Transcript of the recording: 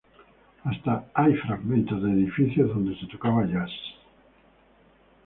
Hasta hay fragmentos de edificios donde se tocaba jazz.